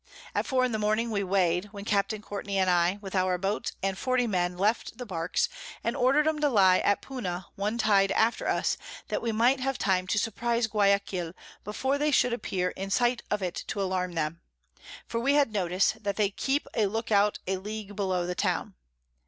At 4 in the Morning we weigh'd, when Capt. Courtney and I, with our Boats and 40 Men, left the Barks, and order'd 'em to lie at Puna one Tide after us, that we might have time to surprize Guiaquil before they should appear in sight of it to alarm them; for we had notice, that they keep a Look out a League below the Town.